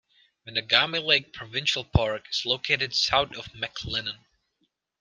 Winagami Lake Provincial Park is located south of McLennan.